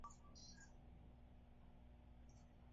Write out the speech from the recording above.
La relación del texto y de la música es más estrecha y sugerente.